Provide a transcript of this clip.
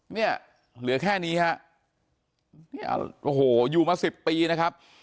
เนี่ยเหลือแค่นี้ฮะเนี่ยโอ้โหอยู่มาสิบปีนะครับ